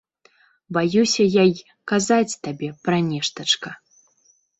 Баюся я й казаць табе пра нештачка.